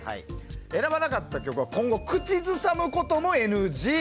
選ばなかった曲は今後、口ずさむこともＮＧ。